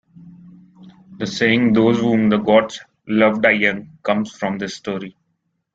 The saying "those whom the gods love die young" comes from this story.